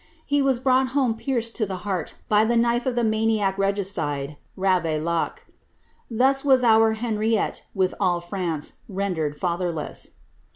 He was brought home pierced to the heart by the knife of the maniac regicide, Kavaillac. Thus was our Henriette, with all France, rendered fatherless.